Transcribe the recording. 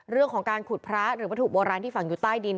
เรื่องของการขุดพระหรือวัตถุโบราณที่ฝังอยู่ใต้ดิน